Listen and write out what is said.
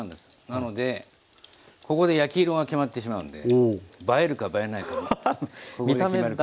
なのでここで焼き色が決まってしまうんで映えるか映えないかもここで決まります。